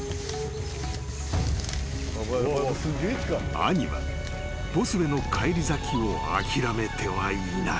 ［兄はボスへの返り咲きを諦めてはいない］